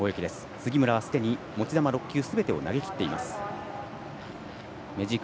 杉村はすでに持ち球６球を投げきっている。